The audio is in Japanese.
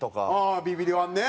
ああビビリ−１ね。